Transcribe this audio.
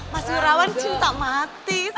masih rawan cinta mati